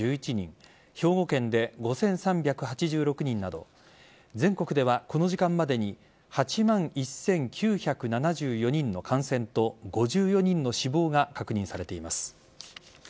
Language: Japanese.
兵庫県で５３８６人など全国ではこの時間までに８万１９７４人の感染と５４人の死亡が確認されています。